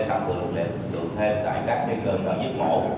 các vụ lực lượng thêm tại các cái cơ quan dịch mổ